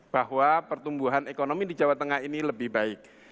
bahwa pertumbuhan ekonomi di jawa tengah ini lebih baik